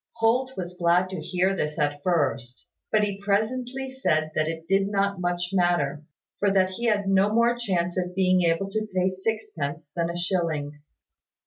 Holt was glad to hear this at first; but he presently said that it did not much matter, for that he had no more chance of being able to pay sixpence than a shilling.